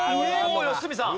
良純さん。